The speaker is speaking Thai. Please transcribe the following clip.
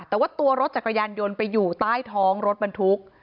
แต่ว่าตัวรถจักรยานยนต์ไปอยู่ใต้ท้องรถบรรทุก